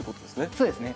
そうですね。